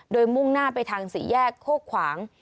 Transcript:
โดยมุ่งหน้าไปทางสี่แยกโคกขวาง